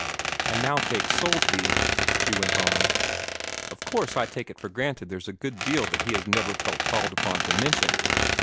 "And now take Soulsby," she went on. "Of course I take it for granted there's a good deal that he has never felt called upon to mention.